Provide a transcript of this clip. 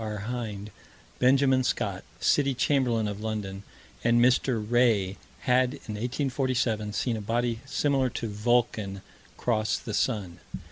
R. Hind, Benjamin Scott, City Chamberlain of London, and Mr. Wray, had, in 1847, seen a body similar to "Vulcan" cross the sun.